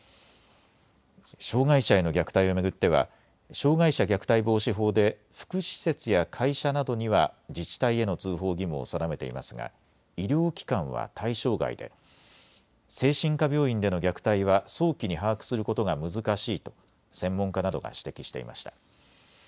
障害者への虐待を巡っては障害者虐待防止法で福祉施設や会社などには自治体への通報義務を定めていますが医療機関は対象外で精神科病院での虐待は早期に把握することが難しいと専門家などが指摘していました。